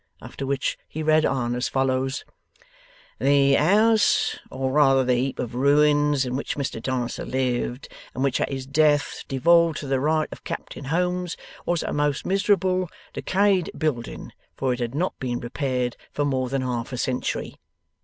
After which he read on as follows: '"The house, or rather the heap of ruins, in which Mr Dancer lived, and which at his death devolved to the right of Captain Holmes, was a most miserable, decayed building, for it had not been repaired for more than half a century."